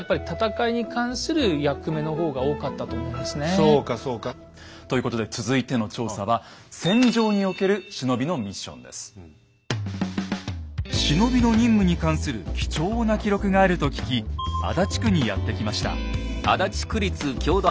そうかそうか。ということで続いての調査は忍びの任務に関する貴重な記録があると聞き足立区にやって来ました。